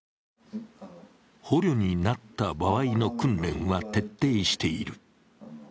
捕虜になった場合の訓練は徹底している。